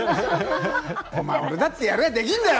お前、俺だってやりゃできるんだよ！